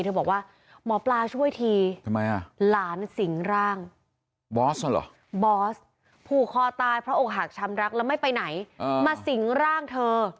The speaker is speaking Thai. บอกว่าหมอปลาช่วยทีทำไมหลานสิงร่างบอสบอสผูกคอตายเพราะอกหักชำรักแล้วไม่ไปไหนมาสิงร่างเธอ